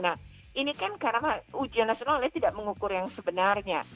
nah ini kan karena ujian nasionalnya tidak mengukur yang sebenarnya